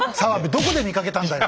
どこで見かけるんだよ？